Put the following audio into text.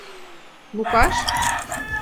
Лукаш.